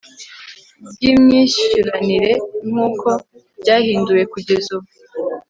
bw imyishyuranire nk uko ryahinduwe kugeza ubu